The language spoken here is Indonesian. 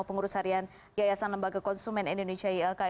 pengurus harian yayasan lembaga konsumen indonesia ylki